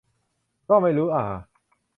ก็ไม่รู้อ่า